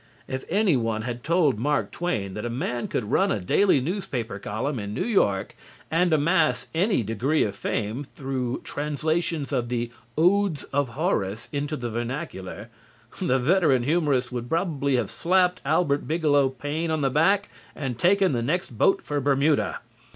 If any one had told Mark Twain that a man could run a daily newspaper column in New York and amass any degree of fame through translations of the "Odes of Horace" into the vernacular, the veteran humorist would probably have slapped Albert Bigelow Paine on the back and taken the next boat for Bermuda.